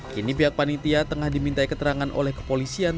kini pihak panitia tengah dimintai keterangan oleh kepolisian